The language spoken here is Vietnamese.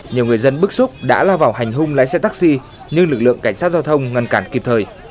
nhiều người dân bức xúc đã lao vào hành hung lái xe taxi nhưng lực lượng cảnh sát giao thông ngăn cản kịp thời